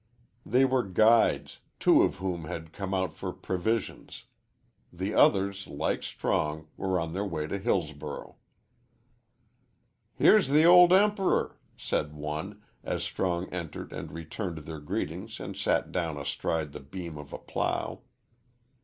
They were guides, two of whom had come out for provisions; the others, like Strong, were on their way to Hillsborough. "Here's the old Emp'ror," said one, as Strong entered and returned their greetings and sat down astride the beam of a plough.